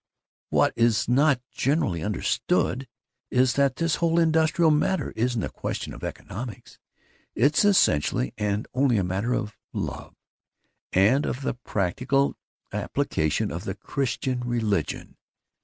"What is not generally understood is that this whole industrial matter isn't a question of economics. It's essentially and only a matter of Love, and of the practical application of the Christian religion!